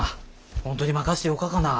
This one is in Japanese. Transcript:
本当に任せてよかっかな。